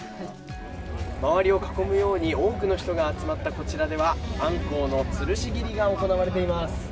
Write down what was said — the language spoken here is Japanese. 周りを囲むように多くの人が集まったこちらではアンコウのつるし切りが行われています。